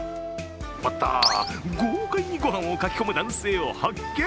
おっと、豪快に御飯をかきこむ男性を発見。